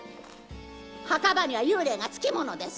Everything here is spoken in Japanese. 墓場には幽霊がつきものです。